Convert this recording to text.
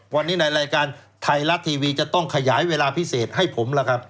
วันนี้ในรายการไทยรัฐทีวีจะต้องขยายเวลาพิเศษให้ผมล่ะครับ